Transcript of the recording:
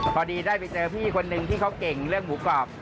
พอดีได้ไปเจอพี่คนนึงที่เขาเก่งเรื่องหมูกรอบ